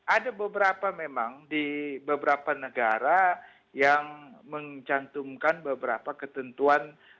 ada beberapa memang di beberapa negara yang mencantumkan beberapa ketentuan